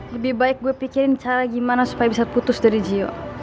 lebih baik gue pikirin cara gimana supaya bisa putus dari jio